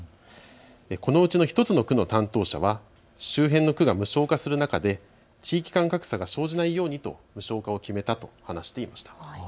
このうちの１つの区の担当者は周辺の区が無償化する中で地域間格差が生じないようにと無償化を決めたと話していました。